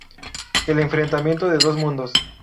El enfrentamiento de dos mundos.